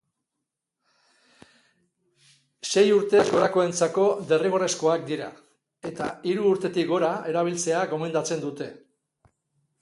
Sei urtez gorakoentzako derrigorrezkoak dira, eta hiru urtetik gora erabiltzea gomendatzen dute.